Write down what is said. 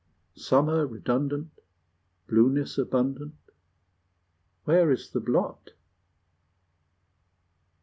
Summer redundant, Blueness abundant, Where is the blot?